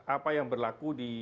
apa yang berlaku di